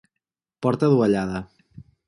Porta adovellada.